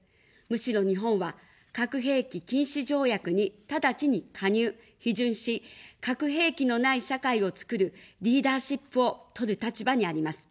むしろ日本は、核兵器禁止条約に直ちに加入・批准し、核兵器のない社会を作るリーダーシップを取る立場にあります。